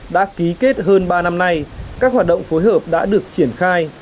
đã ký kết hơn ba năm nay các hoạt động phối hợp đã được triển khai